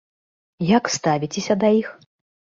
Як ставіцеся да іх?